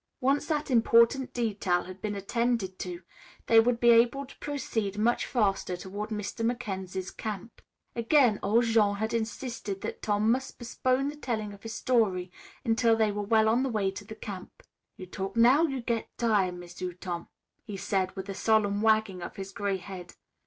Once that important detail had been attended to, they would be able to proceed much faster toward Mr. Mackenzie's camp. Again old Jean had insisted that Tom must postpone the telling of his story until they were well on the way to camp. "You talk now, you get tire', M'sieu' Tom," he said with a solemn wagging of his gray head.